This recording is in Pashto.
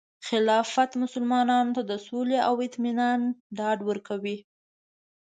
خلافت مسلمانانو ته د سولې او اطمینان ډاډ ورکوي.